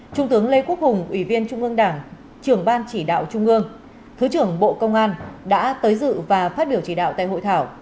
trung tướng lê quốc hùng ủy viên trung ương đảng trưởng ban chỉ đạo trung ương thứ trưởng bộ công an đã tới dự và phát biểu chỉ đạo tại hội thảo